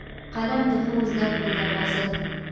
قلم د ښو زدهکړو دروازه ده